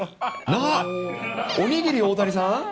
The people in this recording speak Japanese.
あ、おにぎり大谷さん？